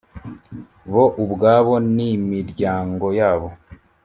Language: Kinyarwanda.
bo ubwabo n imiryango yabo